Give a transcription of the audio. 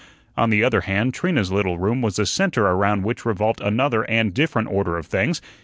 On the other hand, Trina's little room was the centre around which revolved another and different order of things.